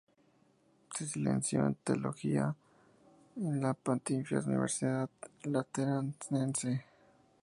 Se licenció en Teología en la Pontificia Universidad Lateranense.